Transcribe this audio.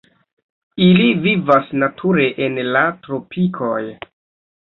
Ili vivas nature en la tropikoj.